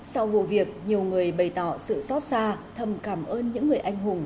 sau vụ việc nhiều người bày tỏ sự xót xa thầm cảm ơn những người anh hùng